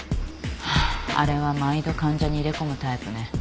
あれは毎度患者に入れ込むタイプね。